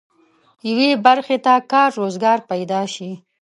یوې برخې ته کار روزګار پيدا شي.